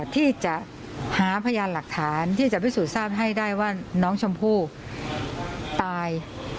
ที่จะหาพยานหลักฐานที่จะพิสูจน์ทราบให้ได้ว่าน้องชมพู่ตาย